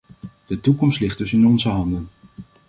De toekomst ligt dus in onze handen.